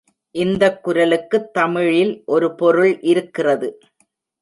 இந்தக் குரலுக்குத் தமிழில் ஒரு பொருள் இருக்கிறது.